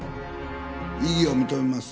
異議を認めます